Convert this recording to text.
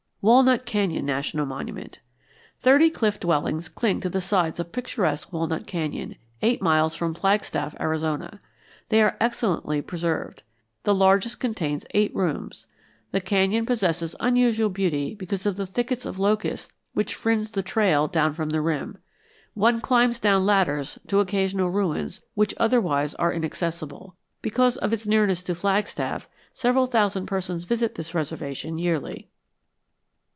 WALNUT CANYON NATIONAL MONUMENT Thirty cliff dwellings cling to the sides of picturesque Walnut Canyon, eight miles from Flagstaff, Arizona. They are excellently preserved. The largest contains eight rooms. The canyon possesses unusual beauty because of the thickets of locust which fringe the trail down from the rim. One climbs down ladders to occasional ruins which otherwise are inaccessible. Because of its nearness to Flagstaff several thousand persons visit this reservation yearly.